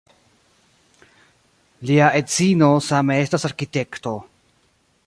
Lia edzino same estas arkitekto.